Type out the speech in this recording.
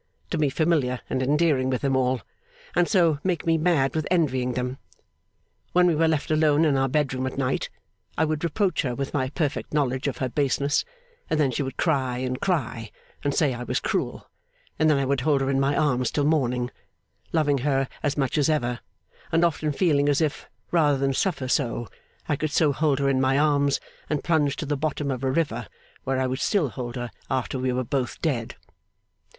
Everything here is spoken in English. To be familiar and endearing with them all and so make me mad with envying them. When we were left alone in our bedroom at night, I would reproach her with my perfect knowledge of her baseness; and then she would cry and cry and say I was cruel, and then I would hold her in my arms till morning: loving her as much as ever, and often feeling as if, rather than suffer so, I could so hold her in my arms and plunge to the bottom of a river where I would still hold her after we were both dead.